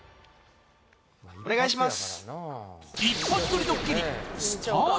お願いします